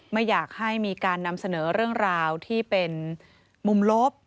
ไม่อยากให้มีการนำเสนอเรื่องราวที่เป็นมุมลบ